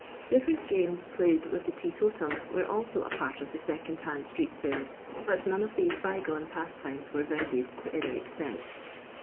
Different games played with the teetotum were also a part of second hand street sale, but none of these bygone pastimes were vended to any extent.